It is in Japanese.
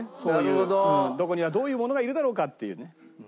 どこにはどういうものがいるだろうかっていうね。